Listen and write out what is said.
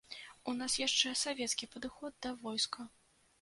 У нас яшчэ савецкі падыход да войска.